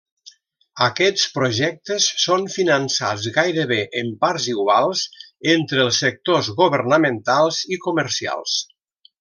Aquests projectes són finançats gairebé en parts iguals entre els sectors governamentals i comercials.